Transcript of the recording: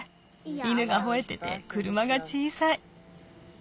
犬がほえてて車が小さい。